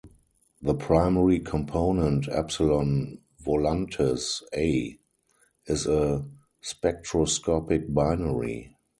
The primary component, Epsilon Volantis A, is a spectroscopic binary.